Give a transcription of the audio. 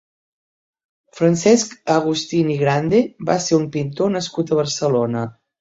Francesc Agustín i Grande va ser un pintor nascut a Barcelona.